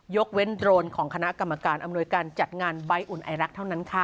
ยกเว้นโดรนของคณะกรรมการอำนวยการจัดงานใบอุ่นไอรักเท่านั้นค่ะ